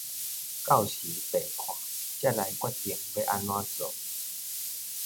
到時便看，才來決定欲按怎做